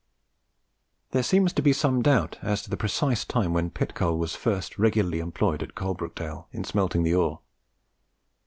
There seems to be some doubt as to the precise time when pit coal was first regularly employed at Coalbrookdale in smelting the ore.